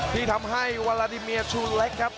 ที่ทำให้วาลาดิเมียชูเล็กครับ